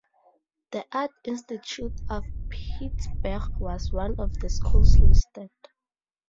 The Art Institute of Pittsburgh was one of the schools listed.